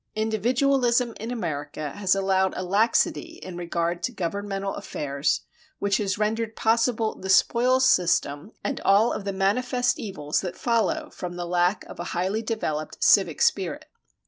Individualism in America has allowed a laxity in regard to governmental affairs which has rendered possible the spoils system and all the manifest evils that follow from the lack of a highly developed civic spirit.